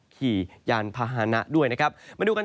ก็จะมีการแผ่ลงมาแตะบ้างนะครับ